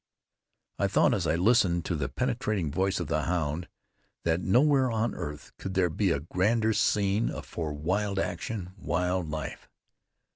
I thought, as I listened to the penetrating voice of the hound, that nowhere on earth could there be a grander scene for wild action, wild life.